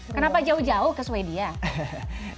kenapa jauh jauh ke sweden